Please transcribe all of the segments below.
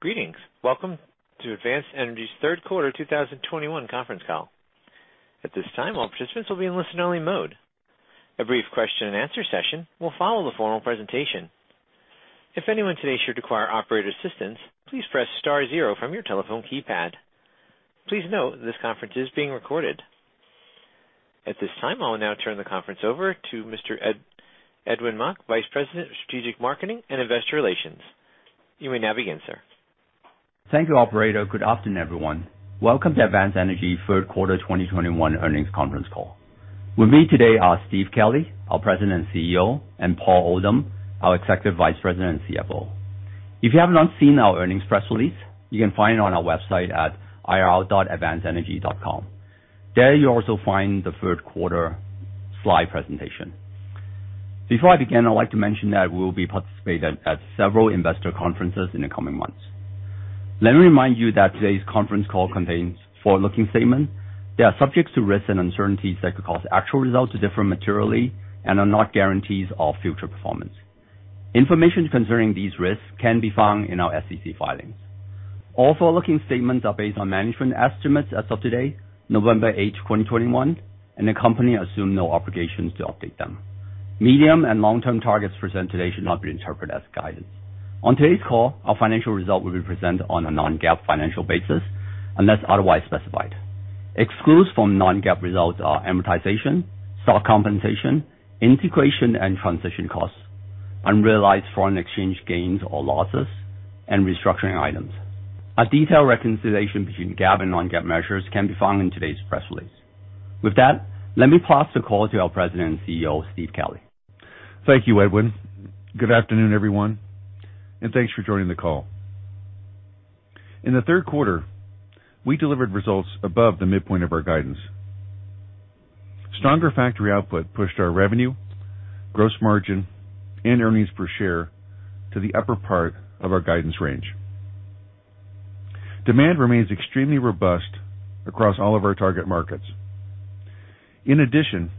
Greetings. Welcome to Advanced Energy's third quarter 2021 conference call. At this time, all participants will be in listen-only mode. A brief question-and-answer session will follow the formal presentation. If anyone today should require operator assistance, please press star zero from your telephone keypad. Please note this conference is being recorded. At this time, I will now turn the conference over to Mr. Edwin Mok, Vice President of Strategic Marketing and Investor Relations. You may now begin, sir. Thank you, operator. Good afternoon, everyone. Welcome to Advanced Energy third quarter 2021 earnings conference call. With me today are Steve Kelley, our President and CEO, and Paul Oldham, our Executive Vice President and CFO. If you have not seen our earnings press release, you can find it on our website at ir.advancedenergy.com. There you'll also find the third quarter slide presentation. Before I begin, I'd like to mention that we will be participating at several investor conferences in the coming months. Let me remind you that today's conference call contains forward-looking statements that are subject to risks and uncertainties that could cause actual results to differ materially and are not guarantees of future performance. Information concerning these risks can be found in our SEC filings. All forward-looking statements are based on management estimates as of today, November 8, 2021, and the company assumes no obligations to update them. Medium- and long-term targets presented today should not be interpreted as guidance. On today's call, our financial results will be presented on a non-GAAP financial basis, unless otherwise specified. Excludes from non-GAAP results are amortization, stock compensation, integration and transition costs, unrealized foreign exchange gains or losses, and restructuring items. A detailed reconciliation between GAAP and non-GAAP measures can be found in today's press release. With that, let me pass the call to our President and CEO, Steve Kelley. Thank you, Edwin. Good afternoon, everyone, and thanks for joining the call. In the third quarter, we delivered results above the midpoint of our guidance. Stronger factory output pushed our revenue, gross margin, and earnings per share to the upper part of our guidance range. Demand remains extremely robust across all of our target markets. In addition,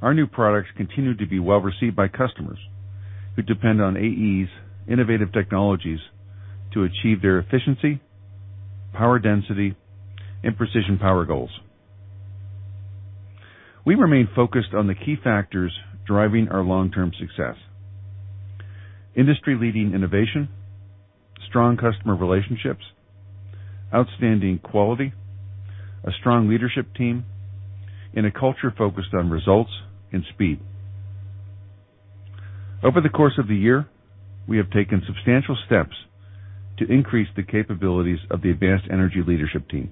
our new products continue to be well received by customers who depend on AE's innovative technologies to achieve their efficiency, power density, and precision power goals. We remain focused on the key factors driving our long-term success. Industry-leading innovation, strong customer relationships, outstanding quality, a strong leadership team, and a culture focused on results and speed. Over the course of the year, we have taken substantial steps to increase the capabilities of the Advanced Energy leadership team.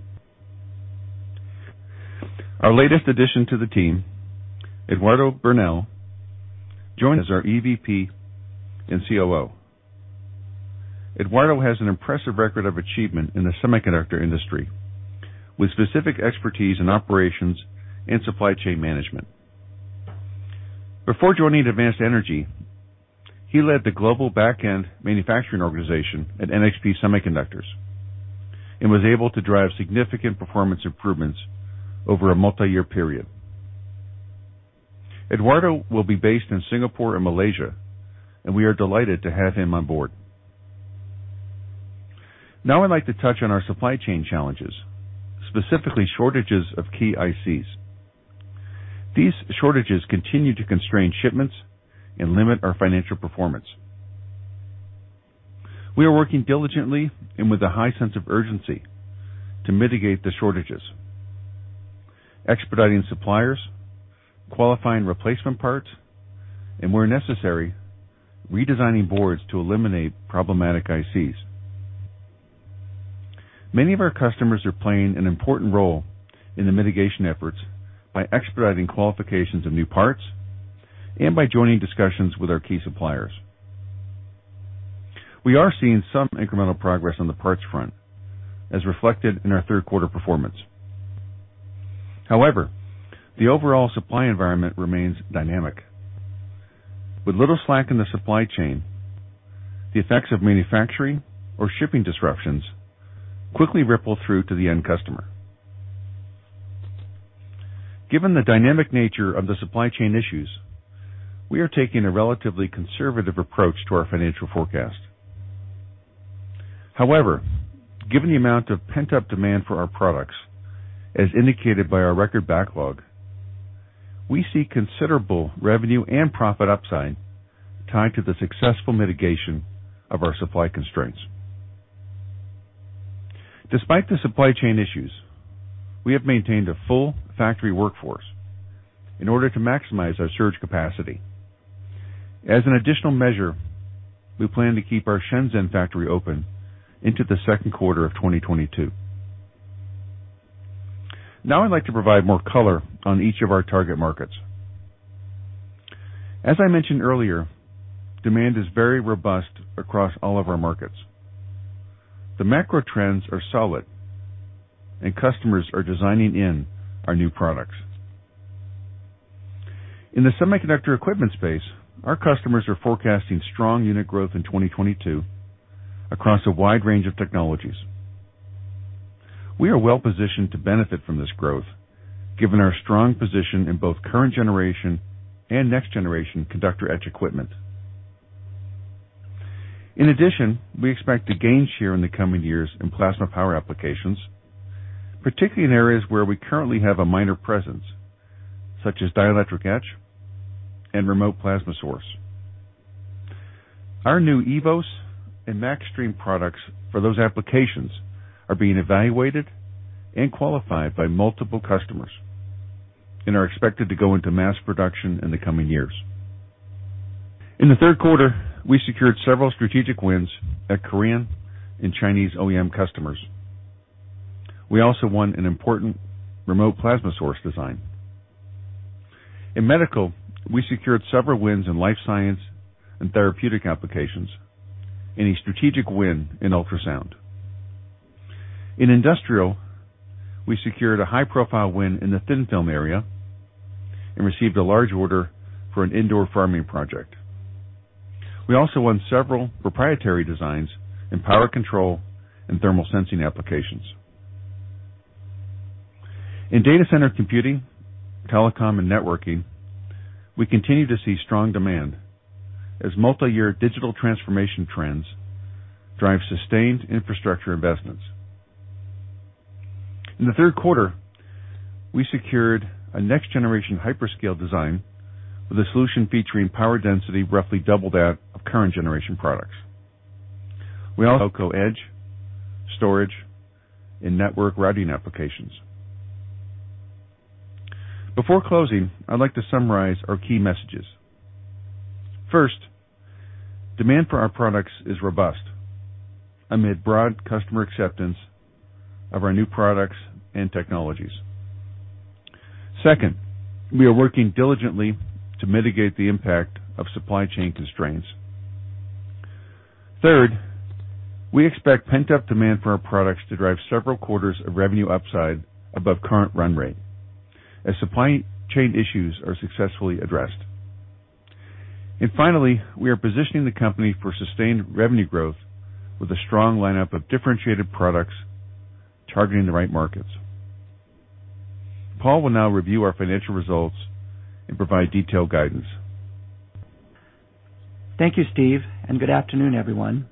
Our latest addition to the team, Eduardo Bernal, joined as our EVP and COO. Eduardo has an impressive record of achievement in the semiconductor industry, with specific expertise in operations and supply chain management. Before joining Advanced Energy, he led the global backend manufacturing organization at NXP Semiconductors and was able to drive significant performance improvements over a multi-year period. Eduardo will be based in Singapore and Malaysia, and we are delighted to have him on board. Now, I'd like to touch on our supply chain challenges, specifically shortages of key ICs. These shortages continue to constrain shipments and limit our financial performance. We are working diligently and with a high sense of urgency to mitigate the shortages, expediting suppliers, qualifying replacement parts, and where necessary, redesigning boards to eliminate problematic ICs. Many of our customers are playing an important role in the mitigation efforts by expediting qualifications of new parts and by joining discussions with our key suppliers. We are seeing some incremental progress on the parts front as reflected in our third quarter performance. However, the overall supply environment remains dynamic. With little slack in the supply chain, the effects of manufacturing or shipping disruptions quickly ripple through to the end customer. Given the dynamic nature of the supply chain issues, we are taking a relatively conservative approach to our financial forecast. However, given the amount of pent-up demand for our products, as indicated by our record backlog, we see considerable revenue and profit upside tied to the successful mitigation of our supply constraints. Despite the supply chain issues, we have maintained a full factory workforce in order to maximize our surge capacity. As an additional measure, we plan to keep our Shenzhen factory open into the second quarter of 2022. Now, I'd like to provide more color on each of our target markets. As I mentioned earlier, demand is very robust across all of our markets. The macro trends are solid and customers are designing in our new products. In the semiconductor equipment space, our customers are forecasting strong unit growth in 2022 across a wide range of technologies. We are well positioned to benefit from this growth given our strong position in both current generation and next-generation conductor etch equipment. In addition, we expect to gain share in the coming years in plasma power applications, particularly in areas where we currently have a minor presence, such as dielectric etch and remote plasma source. Our new eVoS and MAXstream products for those applications are being evaluated and qualified by multiple customers and are expected to go into mass production in the coming years. In the third quarter, we secured several strategic wins at Korean and Chinese OEM customers. We also won an important remote plasma source design. In medical, we secured several wins in life science and therapeutic applications and a strategic win in ultrasound. In industrial, we secured a high-profile win in the thin-film area and received a large order for an indoor farming project. We also won several proprietary designs in power control and thermal sensing applications. In data center computing, telecom, and networking, we continue to see strong demand as multi-year digital transformation trends drive sustained infrastructure investments. In the third quarter, we secured a next-generation hyperscale design with a solution featuring power density roughly double that of current generation products. We also co-developed edge storage and network routing applications. Before closing, I'd like to summarize our key messages. First, demand for our products is robust amid broad customer acceptance of our new products and technologies. Second, we are working diligently to mitigate the impact of supply chain constraints. Third, we expect pent-up demand for our products to drive several quarters of revenue upside above current run rate as supply chain issues are successfully addressed. Finally, we are positioning the company for sustained revenue growth with a strong lineup of differentiated products targeting the right markets. Paul will now review our financial results and provide detailed guidance. Thank you, Steve, and good afternoon, everyone.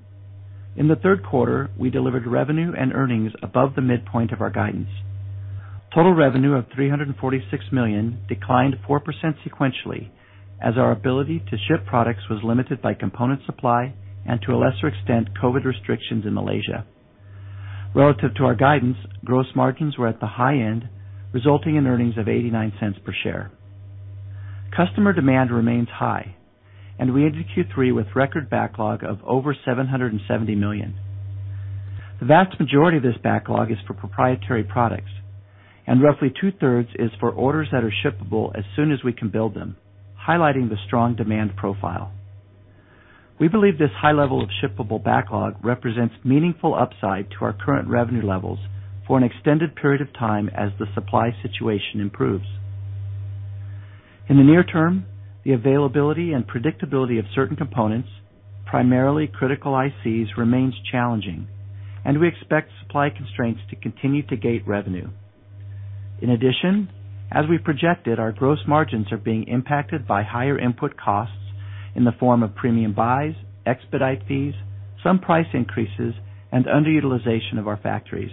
In the third quarter, we delivered revenue and earnings above the midpoint of our guidance. Total revenue of $346 million declined 4% sequentially as our ability to ship products was limited by component supply and to a lesser extent, COVID restrictions in Malaysia. Relative to our guidance, gross margins were at the high end, resulting in earnings of $0.89 per share. Customer demand remains high and we ended Q3 with record backlog of over $770 million. The vast majority of this backlog is for proprietary products, and roughly two-thirds is for orders that are shippable as soon as we can build them, highlighting the strong demand profile. We believe this high level of shippable backlog represents meaningful upside to our current revenue levels for an extended period of time as the supply situation improves. In the near term, the availability and predictability of certain components, primarily critical ICs, remains challenging and we expect supply constraints to continue to gate revenue. In addition, as we projected, our gross margins are being impacted by higher input costs in the form of premium buys, expedite fees, some price increases, and underutilization of our factories.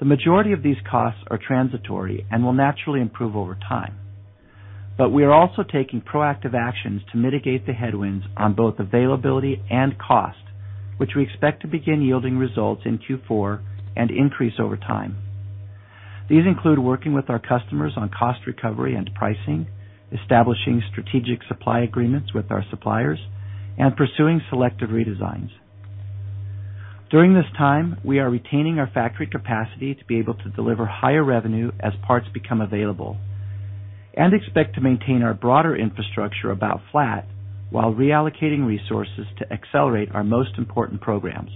The majority of these costs are transitory and will naturally improve over time. We are also taking proactive actions to mitigate the headwinds on both availability and cost, which we expect to begin yielding results in Q4 and increase over time. These include working with our customers on cost recovery and pricing, establishing strategic supply agreements with our suppliers, and pursuing selective redesigns. During this time, we are retaining our factory capacity to be able to deliver higher revenue as parts become available, and expect to maintain our broader infrastructure about flat while reallocating resources to accelerate our most important programs.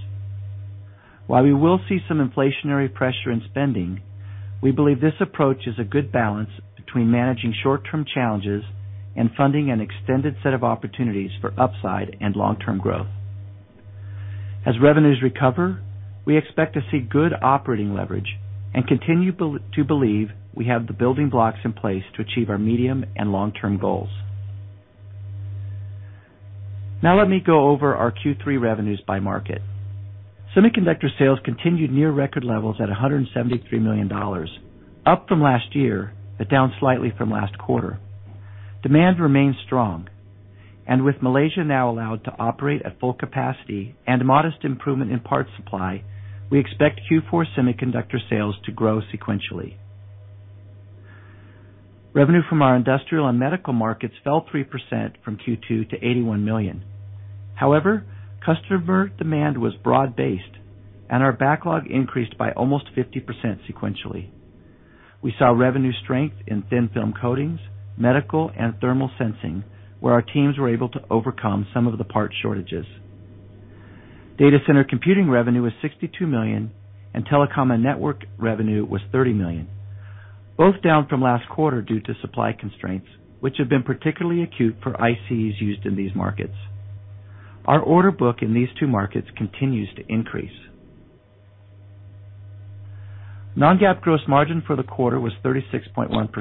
While we will see some inflationary pressure in spending, we believe this approach is a good balance between managing short-term challenges and funding an extended set of opportunities for upside and long-term growth. As revenues recover, we expect to see good operating leverage and continue to believe we have the building blocks in place to achieve our medium and long-term goals. Now let me go over our Q3 revenues by market. Semiconductor sales continued near record levels at $173 million, up from last year, but down slightly from last quarter. Demand remains strong. With Malaysia now allowed to operate at full capacity and modest improvement in part supply, we expect Q4 semiconductor sales to grow sequentially. Revenue from our industrial and medical markets fell 3% from Q2 to $81 million. However, customer demand was broad-based and our backlog increased by almost 50% sequentially. We saw revenue strength in thin-film coatings, medical and thermal sensing, where our teams were able to overcome some of the part shortages. Data center computing revenue was $62 million and telecom and network revenue was $30 million, both down from last quarter due to supply constraints, which have been particularly acute for ICs used in these markets. Our order book in these two markets continues to increase. Non-GAAP gross margin for the quarter was 36.1%.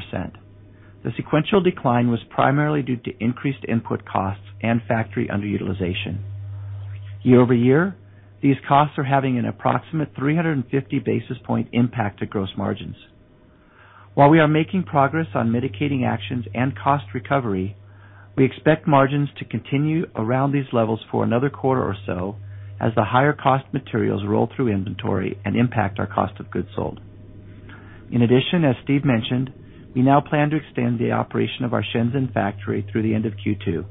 The sequential decline was primarily due to increased input costs and factory underutilization. Year-over-year, these costs are having an approximate 350 basis points impact to gross margins. While we are making progress on mitigating actions and cost recovery, we expect margins to continue around these levels for another quarter or so as the higher cost materials roll through inventory and impact our cost of goods sold. In addition, as Steve mentioned, we now plan to extend the operation of our Shenzhen factory through the end of Q2,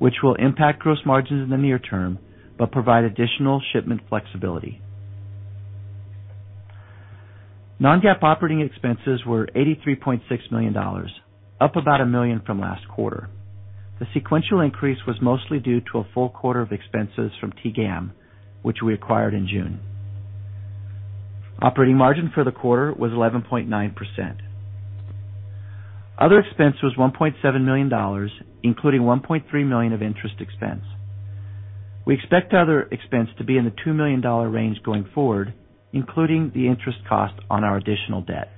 which will impact gross margins in the near term but provide additional shipment flexibility. Non-GAAP operating expenses were $83.6 million, up about $1 million from last quarter. The sequential increase was mostly due to a full quarter of expenses from TEGAM, which we acquired in June. Operating margin for the quarter was 11.9%. Other expense was $1.7 million, including $1.3 million of interest expense. We expect other expense to be in the $2 million range going forward, including the interest cost on our additional debt.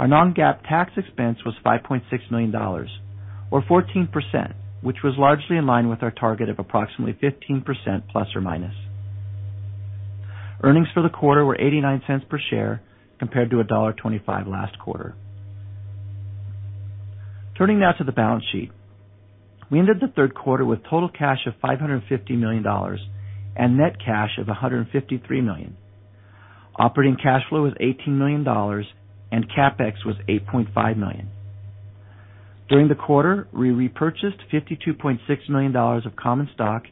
Our non-GAAP tax expense was $5.6 million, or 14%, which was largely in line with our target of approximately 15% ±. Earnings for the quarter were $0.89 per share compared to $1.25 last quarter. Turning now to the balance sheet. We ended the third quarter with total cash of $550 million and net cash of $153 million. Operating cash flow was $18 million and CapEx was $8.5 million. During the quarter, we repurchased $52.6 million of common stock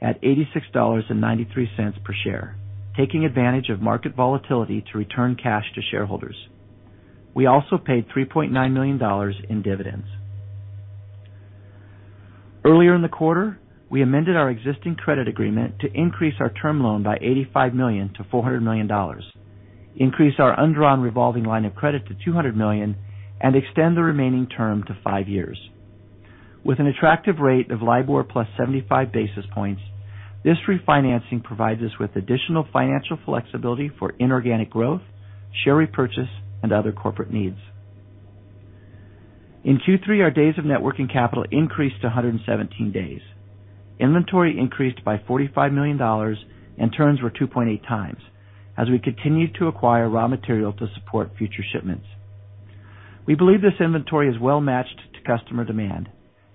at $86.93 per share, taking advantage of market volatility to return cash to shareholders. We also paid $3.9 million in dividends. Earlier in the quarter, we amended our existing credit agreement to increase our term loan by $85 million to $400 million, increase our undrawn revolving line of credit to $200 million, and extend the remaining term to five years. With an attractive rate of LIBOR plus 75 basis points, this refinancing provides us with additional financial flexibility for inorganic growth, share repurchase, and other corporate needs. In Q3, our days of net working capital increased to 117 days. Inventory increased by $45 million and turns were 2.8x as we continued to acquire raw material to support future shipments. We believe this inventory is well-matched to customer demand,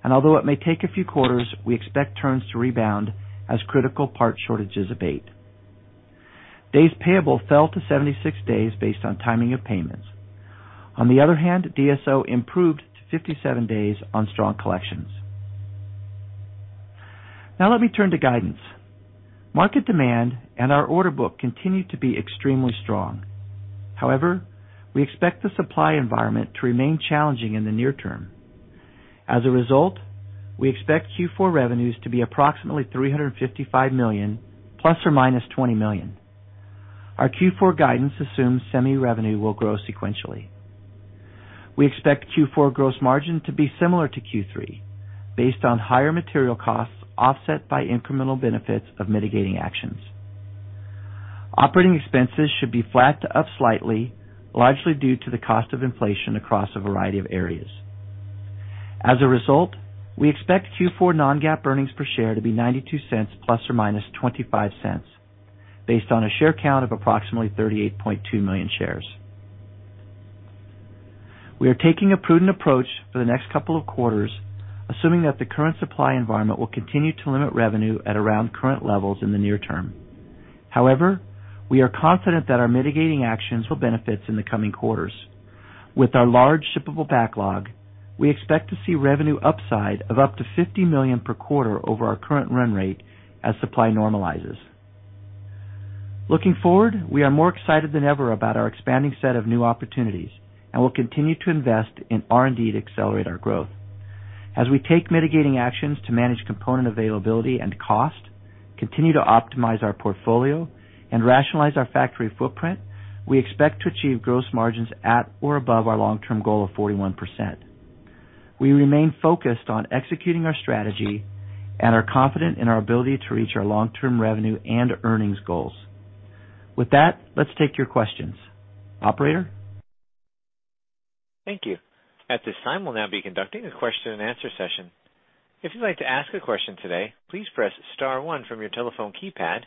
and although it may take a few quarters, we expect turns to rebound as critical part shortages abate. Days payable fell to 76 days based on timing of payments. On the other hand, DSO improved to 57 days on strong collections. Now let me turn to guidance. Market demand and our order book continue to be extremely strong. However, we expect the supply environment to remain challenging in the near term. As a result, we expect Q4 revenues to be approximately $355 million, ± $20 million. Our Q4 guidance assumes semi revenue will grow sequentially. We expect Q4 gross margin to be similar to Q3 based on higher material costs offset by incremental benefits of mitigating actions. Operating expenses should be flat to up slightly, largely due to the cost of inflation across a variety of areas. As a result, we expect Q4 non-GAAP earnings per share to be $0.92, ± $0.25 based on a share count of approximately 38.2 million shares. We are taking a prudent approach for the next couple of quarters, assuming that the current supply environment will continue to limit revenue at around current levels in the near term. However, we are confident that our mitigating actions will benefit in the coming quarters. With our large shippable backlog, we expect to see revenue upside of up to $50 million per quarter over our current run rate as supply normalizes. Looking forward, we are more excited than ever about our expanding set of new opportunities, and we'll continue to invest in R&D to accelerate our growth. As we take mitigating actions to manage component availability and cost, continue to optimize our portfolio, and rationalize our factory footprint, we expect to achieve gross margins at or above our long-term goal of 41%. We remain focused on executing our strategy and are confident in our ability to reach our long-term revenue and earnings goals. With that, let's take your questions. Operator? Thank you. At this time, we'll now be conducting a question-and-answer session. If you'd like to ask a question today, please press star one from your telephone keypad, and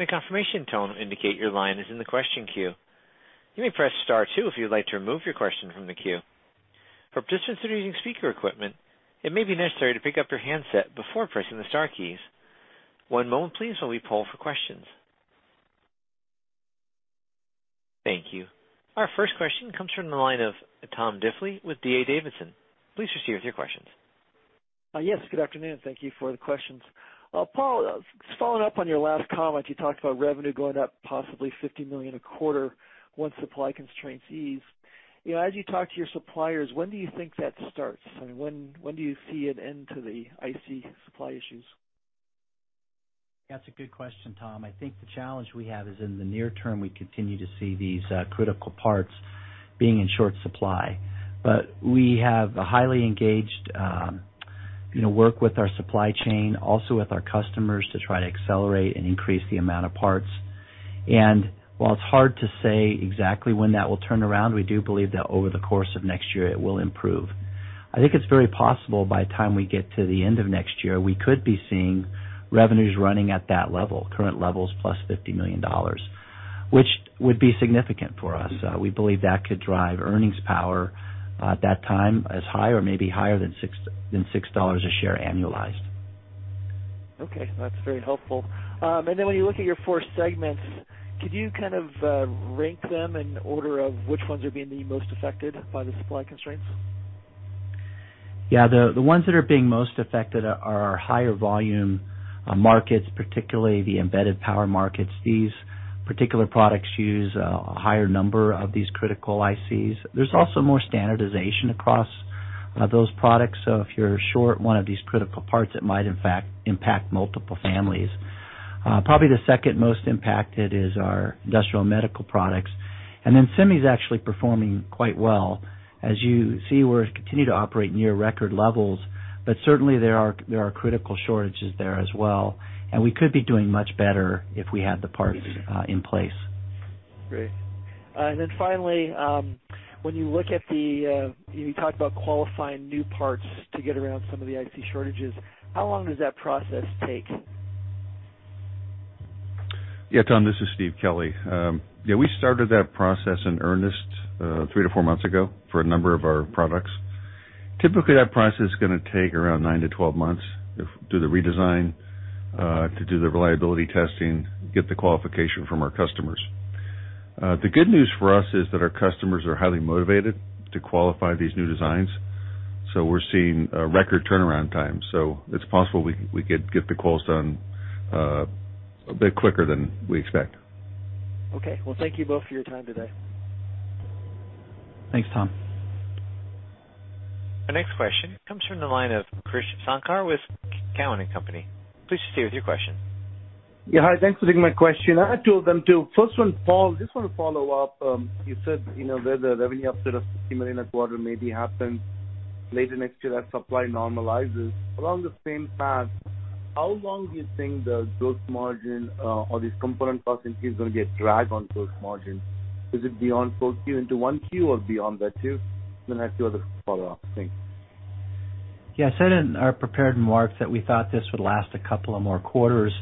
a confirmation tone will indicate your line is in the question queue. You may press star two if you'd like to remove your question from the queue. For participants that are using speaker equipment, it may be necessary to pick up your handset before pressing the star keys. One moment please while we poll for questions. Thank you. Our first question comes from the line of Tom Diffley with D.A. Davidson. Please proceed with your questions. Yes, good afternoon. Thank you for the questions. Paul, just following up on your last comment, you talked about revenue going up possibly $50 million a quarter once supply constraints ease. You know, as you talk to your suppliers, when do you think that starts? I mean, when do you see an end to the IC supply issues? That's a good question, Tom. I think the challenge we have is in the near term, we continue to see these critical parts being in short supply. But we have a highly engaged work with our supply chain, also with our customers to try to accelerate and increase the amount of parts. While it's hard to say exactly when that will turn around, we do believe that over the course of next year it will improve. I think it's very possible by the time we get to the end of next year, we could be seeing revenues running at that level, current levels plus $50 million, which would be significant for us. We believe that could drive earnings power at that time as high or maybe higher than $6 a share annualized. Okay, that's very helpful. Then when you look at your four segments, could you kind of rank them in order of which ones are being the most affected by the supply constraints? The ones that are being most affected are our higher volume markets, particularly the embedded power markets. These particular products use a higher number of these critical ICs. There's also more standardization across those products. So if you're short one of these critical parts, it might in fact impact multiple families. Probably the second most impacted is our industrial medical products. Semis actually performing quite well. As you see, we continue to operate near record levels, but certainly there are critical shortages there as well, and we could be doing much better if we had the parts in place. Great. Finally, when you look at the, you talked about qualifying new parts to get around some of the ICs shortages, how long does that process take? Tom, this is Steve Kelley. Yeah, we started that process in earnest three to four months ago for a number of our products. Typically, that process is gonna take around nine to 12 months to the redesign to do the reliability testing, get the qualification from our customers. The good news for us is that our customers are highly motivated to qualify these new designs, so we're seeing record turnaround time. It's possible we could get the quotes done a bit quicker than we expect. Okay. Well, thank you both for your time today. Thanks, Tom. Our next question comes from the line of Krish Sankar with Cowen and Company. Please proceed with your question. Hi. Thanks for taking my question. I had two of them, too. First one, Paul, just wanna follow up. You said, you know, the revenue upside of $50 million a quarter maybe happens later next year as supply normalizes. In the same vein, how long do you think the gross margin or these component costs increase is gonna be a drag on gross margin? Is it beyond fourth Q into one Q or beyond that, too? Then I have two other follow-up. Thanks. Yeah. I said in our prepared remarks that we thought this would last a couple of more quarters.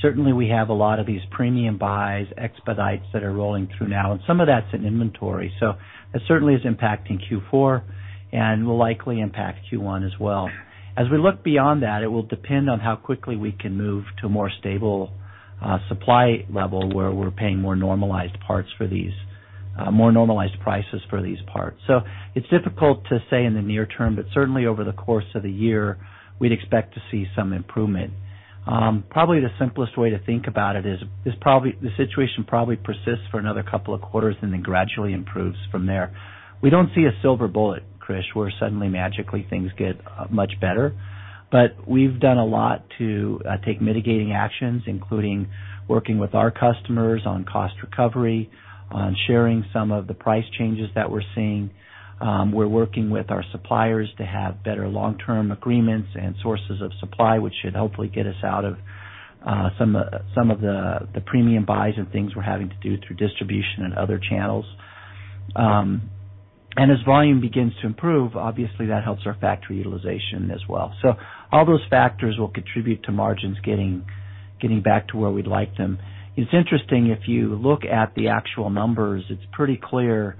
Certainly, we have a lot of these premium buys, expedites that are rolling through now, and some of that's in inventory. It certainly is impacting Q4 and will likely impact Q1 as well. As we look beyond that, it will depend on how quickly we can move to a more stable supply level where we're paying more normalized prices for these parts. It's difficult to say in the near term, but certainly over the course of the year, we'd expect to see some improvement. Probably the simplest way to think about it is the situation probably persists for another couple of quarters and then gradually improves from there. We don't see a silver bullet, Krish, where suddenly, magically, things get much better. We've done a lot to take mitigating actions, including working with our customers on cost recovery, on sharing some of the price changes that we're seeing. We're working with our suppliers to have better long-term agreements and sources of supply, which should hopefully get us out of some of the premium buys and things we're having to do through distribution and other channels. As volume begins to improve, obviously that helps our factory utilization as well. All those factors will contribute to margins getting back to where we'd like them. It's interesting, if you look at the actual numbers, it's pretty clear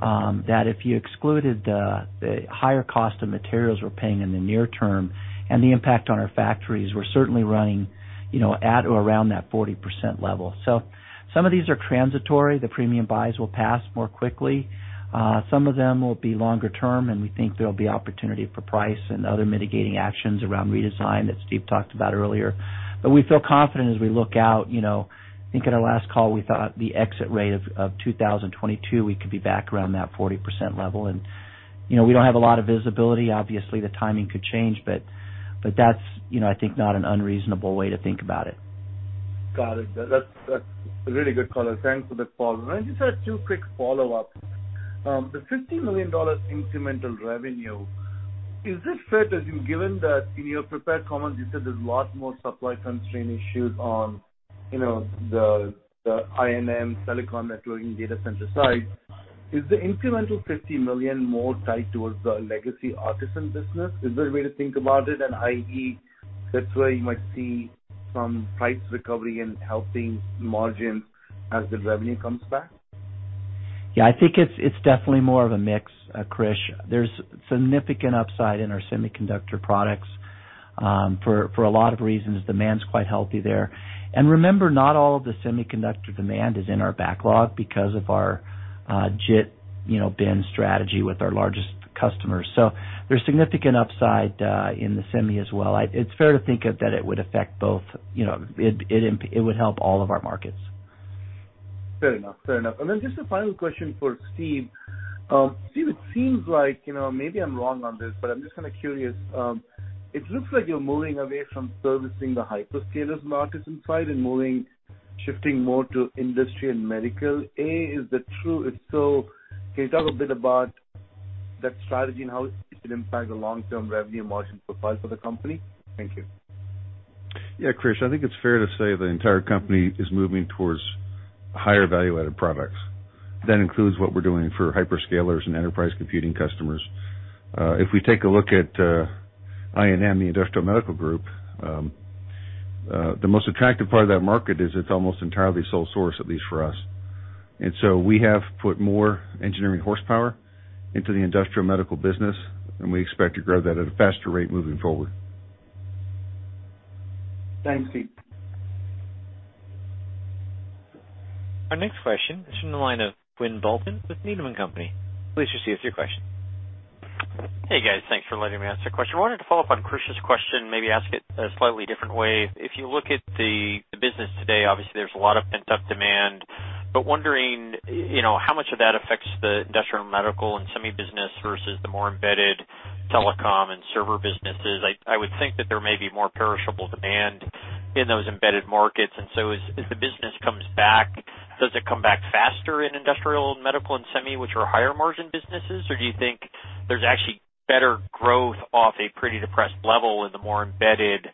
that if you excluded the higher cost of materials we're paying in the near term and the impact on our factories, we're certainly running, you know, at or around that 40% level. So some of these are transitory. The premium buys will pass more quickly. Some of them will be longer term, and we think there'll be opportunity for price and other mitigating actions around redesign that Steve talked about earlier. But we feel confident as we look out. You know, I think in our last call, we thought the exit rate of 2022, we could be back around that 40% level. You know, we don't have a lot of visibility. Obviously, the timing could change, but that's, you know, I think, not an unreasonable way to think about it. Got it. That's a really good color. Thanks for that, Paul. I just had two quick follow-ups. The $50 million incremental revenue, is this fair to you, given that in your prepared comments you said there's a lot more supply constraint issues on, you know, the INM silicon networking data center side. Is the incremental $50 million more tied towards the legacy Artesyn business? Is there a way to think about it? I.e., that's where you might see some price recovery and helping margin as the revenue comes back? Yeah. I think it's definitely more of a mix, Krish. There's significant upside in our semiconductor products for a lot of reasons. Demand's quite healthy there. Remember, not all of the semiconductor demand is in our backlog because of our JIT, you know, bin strategy with our largest customers. There's significant upside in the semi as well. It's fair to think that it would affect both. You know, it would help all of our markets. Fair enough. Just a final question for Steve. Steve, it seems like, you know, maybe I'm wrong on this, but I'm just kinda curious. It looks like you're moving away from servicing the hyperscalers markets inside and moving, shifting more to industry and medical. Is that true? If so, can you talk a bit about that strategy and how it should impact the long-term revenue margin profile for the company? Thank you. Yeah, Krish, I think it's fair to say the entire company is moving towards higher value-added products. That includes what we're doing for hyperscalers and enterprise computing customers. If we take a look at INM, the industrial medical group, the most attractive part of that market is it's almost entirely sole source, at least for us. We have put more engineering horsepower into the industrial medical business, and we expect to grow that at a faster rate moving forward. Thanks, Steve. Our next question is from the line of Quinn Bolton with Needham & Company. Please proceed with your question. Hey, guys. Thanks for letting me ask a question. I wanted to follow up on Krish's question, maybe ask it a slightly different way. If you look at the business today, obviously there's a lot of pent-up demand, but wondering, you know, how much of that affects the industrial medical and semi business versus the more embedded telecom and server businesses. I would think that there may be more perishable demand in those embedded markets. So as the business comes back, does it come back faster in industrial medical and semi, which are higher margin businesses? Or do you think there's actually better growth off a pretty depressed level in the more embedded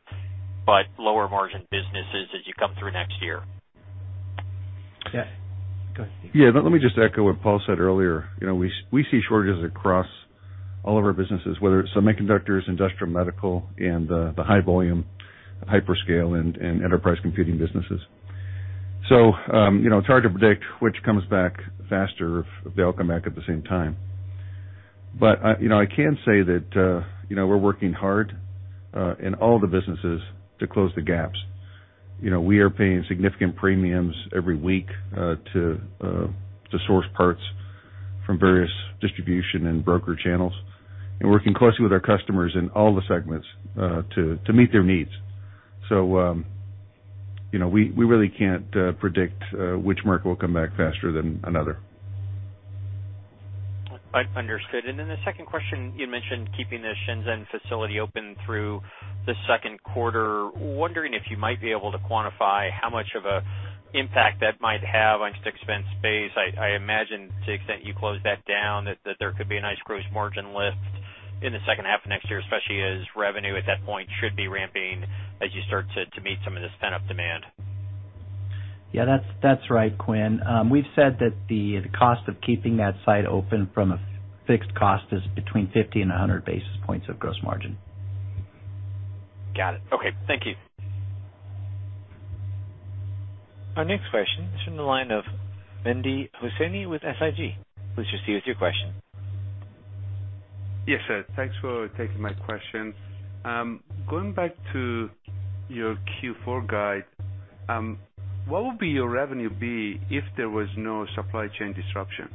but lower margin businesses as you come through next year? Yeah. Go ahead, Steve. Yeah. Let me just echo what Paul said earlier. You know, we see shortages across all of our businesses, whether it's semiconductors, industrial medical, and the high volume hyperscale and enterprise computing businesses. It's hard to predict which comes back faster if they all come back at the same time. I can say that, you know, we're working hard in all the businesses to close the gaps. You know, we are paying significant premiums every week to source parts from various distribution and broker channels, and working closely with our customers in all the segments to meet their needs. We really can't predict which market will come back faster than another. Understood. The second question, you mentioned keeping the Shenzhen facility open through the second quarter. Wondering if you might be able to quantify how much of a impact that might have on just expense base. I imagine to the extent you close that down that there could be a nice gross margin lift in the second half of next year, especially as revenue at that point should be ramping as you start to meet some of this pent-up demand. Yeah, that's right, Quinn. We've said that the cost of keeping that site open from a fixed cost is between 50 and 100 basis points of gross margin. Got it. Okay. Thank you. Our next question is from the line of Mehdi Hosseini with SIG. Please proceed with your question. Yes, sir. Thanks for taking my question. Going back to your Q4 guide, what would your revenue be if there was no supply chain disruption?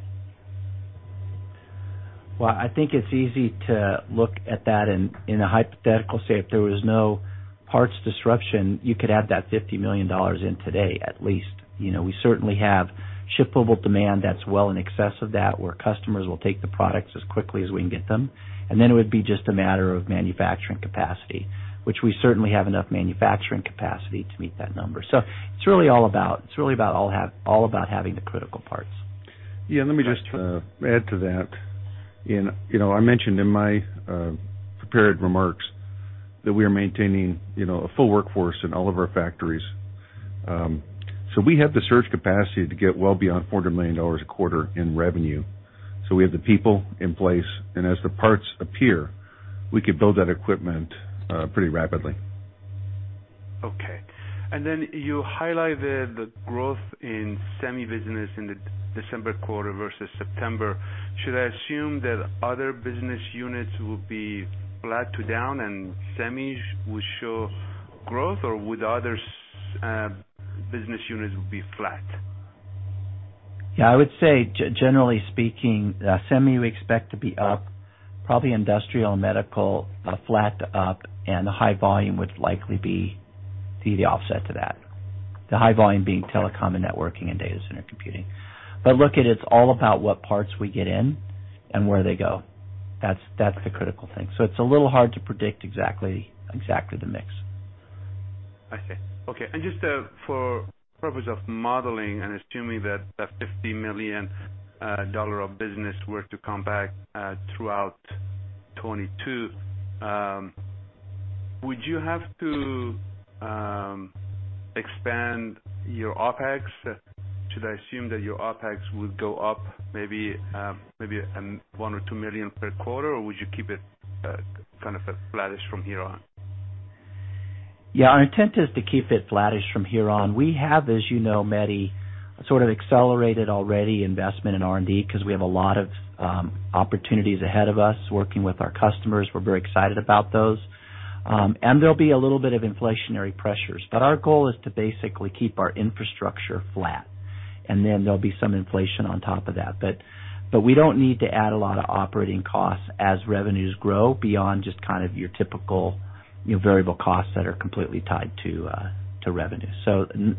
Well, I think it's easy to look at that in a hypothetical say if there was no parts disruption, you could add that $50 million in today, at least. You know, we certainly have shippable demand that's well in excess of that, where customers will take the products as quickly as we can get them. It would be just a matter of manufacturing capacity, which we certainly have enough manufacturing capacity to meet that number. It's really all about having the critical parts. Yeah, let me just add to that. You know, I mentioned in my prepared remarks that we are maintaining, you know, a full workforce in all of our factories. We have the surge capacity to get well beyond $400 million a quarter in revenue. We have the people in place, and as the parts appear, we could build that equipment pretty rapidly. Okay. You highlighted the growth in semi business in the December quarter versus September. Should I assume that other business units will be flat to down and semi will show growth, or would the other business units will be flat? Yeah, I would say generally speaking, semi, we expect to be up, probably industrial and medical, flat to up, and the high volume would likely be the offset to that. The high volume being telecom and networking and data center computing. Look, it's all about what parts we get in and where they go. That's the critical thing. It's a little hard to predict exactly the mix. I see. Okay. Just for purpose of modeling and assuming that $50 million of business were to come back throughout 2022, would you have to expand your OpEx? Should I assume that your OpEx would go up maybe, 1 million or 2 million per quarter, or would you keep it kind of flattish from here on? Yeah, our intent is to keep it flattish from here on. We have, as you know, Mehdi, sort of accelerated already investment in R&D because we have a lot of opportunities ahead of us working with our customers. We're very excited about those. There'll be a little bit of inflationary pressures. Our goal is to basically keep our infrastructure flat. Then there'll be some inflation on top of that. But we don't need to add a lot of operating costs as revenues grow beyond just kind of your typical, you know, variable costs that are completely tied to to revenue.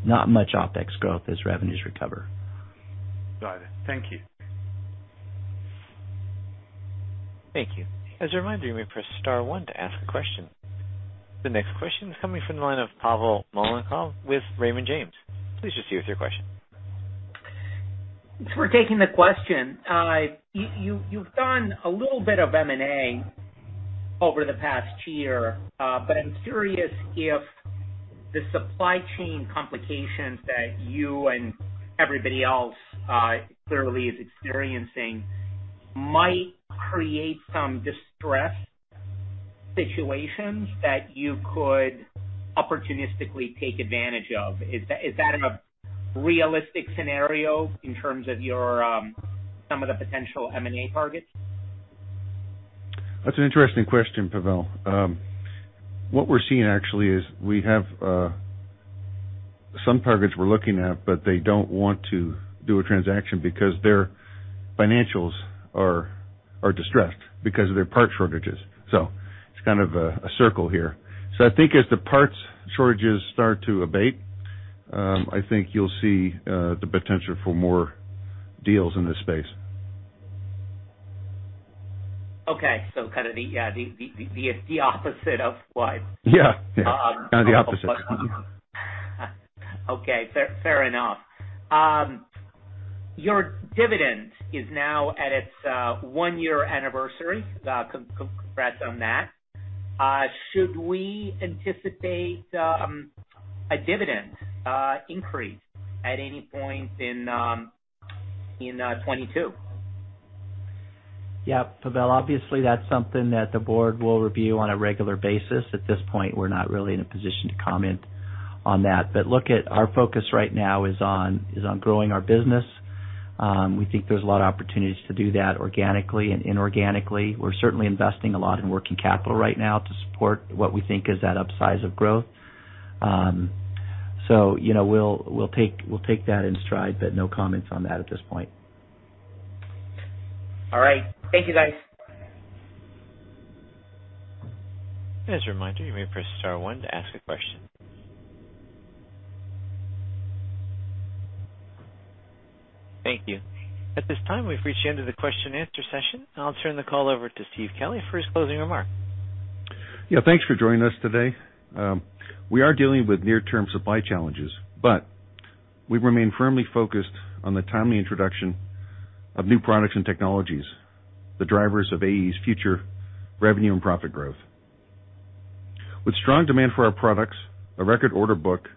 Not much OpEx growth as revenues recover. Got it. Thank you. Thank you. As a reminder, you may press star one to ask a question. The next question is coming from the line of Pavel Molchanov with Raymond James. Please proceed with your question. Thanks for taking the question. You've done a little bit of M&A over the past year. I'm curious if the supply chain complications that you and everybody else clearly is experiencing might create some distress situations that you could opportunistically take advantage of. Is that a realistic scenario in terms of your some of the potential M&A targets? That's an interesting question, Pavel. What we're seeing actually is we have some targets we're looking at, but they don't want to do a transaction because their financials are distressed because of their parts shortages. It's kind of a circle here. I think as the parts shortages start to abate, I think you'll see the potential for more deals in this space. Okay. Kind of the opposite of what- Yeah. Kind of the opposite. Okay. Fair enough. Your dividend is now at its one-year anniversary. Congrats on that. Should we anticipate a dividend increase at any point in 2022? Yeah. Pavel, obviously, that's something that the board will review on a regular basis. At this point, we're not really in a position to comment on that. Look at our focus right now is on growing our business. We think there's a lot of opportunities to do that organically and inorganically. We're certainly investing a lot in working capital right now to support what we think is that upside of growth. You know, we'll take that in stride, but no comments on that at this point. All right. Thank you, guys. As a reminder, you may press star one to ask a question. Thank you. At this time, we've reached the end of the question and answer session. I'll turn the call over to Steve Kelley for his closing remarks. Yeah, thanks for joining us today. We are dealing with near-term supply challenges, but we remain firmly focused on the timely introduction of new products and technologies, the drivers of AE's future revenue and profit growth. With strong demand for our products, a record order book,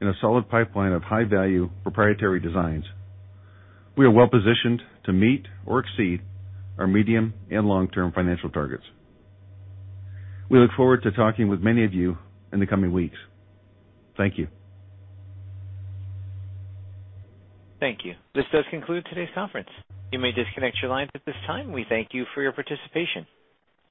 and a solid pipeline of high-value proprietary designs, we are well positioned to meet or exceed our medium and long-term financial targets. We look forward to talking with many of you in the coming weeks. Thank you. Thank you. This does conclude today's conference. You may disconnect your lines at this time. We thank you for your participation.